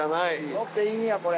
乗っていいんやこれ。